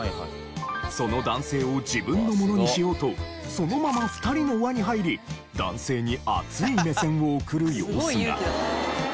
その男性を自分のものにしようとそのまま２人の輪に入り男性に熱い目線を送る様子が。